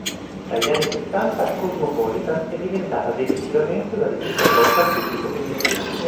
Dagli anni settanta "Cosmopolitan" è diventata definitivamente una rivista rivolta al pubblico femminile.